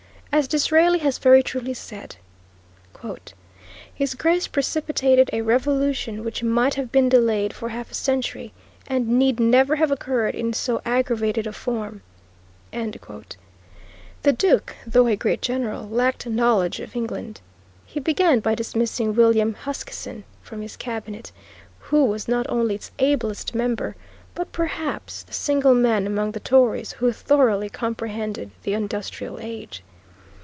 As Disraeli has very truly said, "His Grace precipitated a revolution which might have been delayed for half a century, and need never have occurred in so aggravated a form." The Duke, though a great general, lacked knowledge of England. He began by dismissing William Huskisson from his Cabinet, who was not only its ablest member, but perhaps the single man among the Tories who thoroughly comprehended the industrial age.